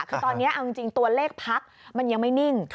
คือตอนนี้เอาจริงตัวเลขพักมันยังไม่นิ่ง